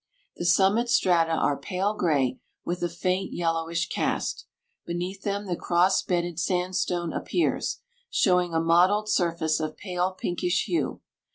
The summit strata are pale gray, with a faint yellowish cast. Beneath them the cross bedded sandstone appears, showing a mottled surface of pale pinkish hue.